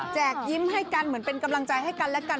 ยิ้มให้กันเหมือนเป็นกำลังใจให้กันและกัน